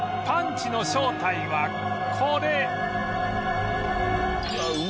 パンチの正体はこれ